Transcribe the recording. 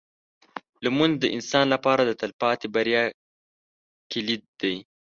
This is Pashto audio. لمونځ د انسان لپاره د تلپاتې بریا کلید دی.